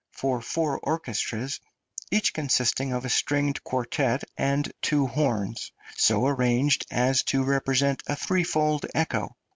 for four orchestras, each consisting of a stringed quartet and two horns, so arranged as to represent a threefold echo.